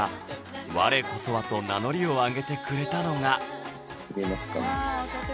我こそはと名乗りを上げてくれたのが見えますかね？